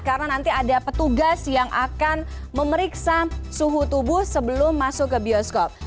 karena nanti ada petugas yang akan memeriksa suhu tubuh sebelum masuk ke bioskop